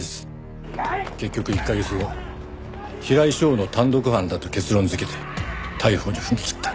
結局１カ月後平井翔の単独犯だと結論づけて逮捕に踏み切った。